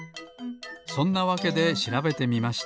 そんなわけでしらべてみました。